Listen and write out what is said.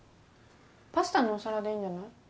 パスタのお皿でいいんじゃない？